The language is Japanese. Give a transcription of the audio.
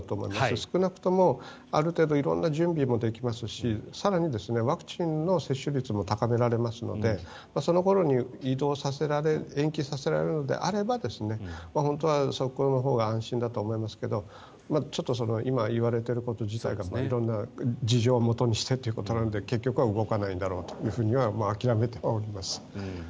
少なくともある程度色んな準備もできますし更に、ワクチンの接種率も高められますのでその頃に延期させられるのであれば本当はそこのほうが安心だと思いますけれどちょっと今、言われていること自体が色んな事情をもとにしてということなので結局は動かないんだろうと諦めてはおります。